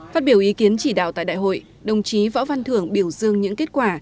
phát biểu ý kiến chỉ đạo tại đại hội đồng chí võ văn thưởng biểu dương những kết quả